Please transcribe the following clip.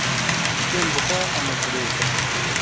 Kêm bixwe, emir dirêj be.